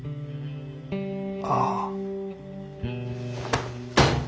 ああ。